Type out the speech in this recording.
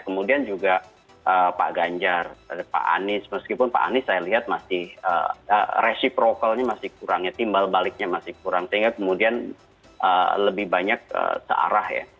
kemudian juga pak ganjar pak anies meskipun pak anies saya lihat masih reciprocalnya masih kurangnya timbal baliknya masih kurang sehingga kemudian lebih banyak searah ya